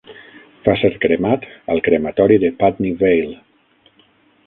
Va ser cremat al Crematori de Putney Vale.